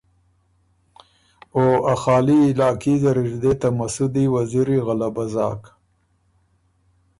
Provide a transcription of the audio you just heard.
او ا خالی علاقي زر اِر دې ته مسُودی وزیری غلبه زاک۔